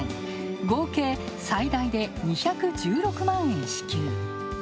合計最大で２１６万円支給。